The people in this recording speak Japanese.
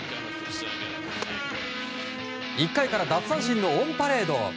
１回から奪三振のオンパレード。